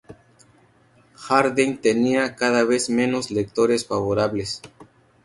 Harden tenía cada vez menos lectores favorables.